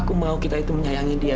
aku mau kita itu menyayangi dia